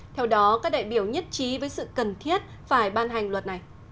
theo đó các đại biểu nhất trí với sự cần thiết phải ban hành luật này